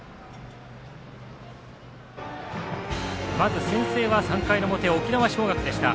まず先制は３回の表沖縄尚学でした。